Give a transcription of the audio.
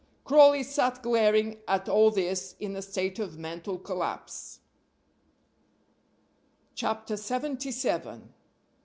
Crawley sat glaring at all this in a state of mental collapse. CHAPTER LXXVII.